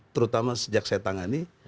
terutama sejak saya tangani